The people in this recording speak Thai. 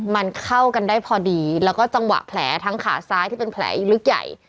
มันเข้ากันได้พอดีแล้วก็จังหวะแผลทั้งขาซ้ายที่เป็นแผลลึกใหญ่